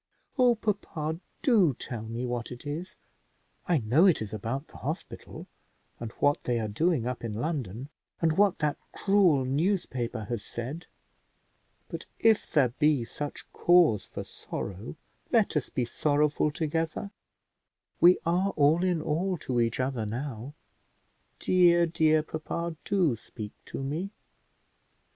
"Oh, papa, do tell me what it is; I know it is about the hospital, and what they are doing up in London, and what that cruel newspaper has said; but if there be such cause for sorrow, let us be sorrowful together; we are all in all to each other now: dear, dear papa, do speak to me."